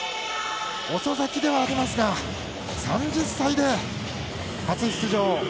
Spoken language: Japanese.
遅咲きではありますが３０歳で初出場。